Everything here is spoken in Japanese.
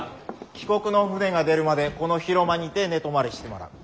帰国の船が出るまでこの広間にて寝泊まりしてもらう。